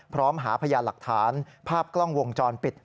พร้อมหาพยานหลักฐานภาพกล้องวงจรปิด